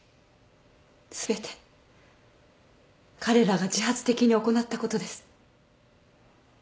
全て彼らが自発的に行ったことです。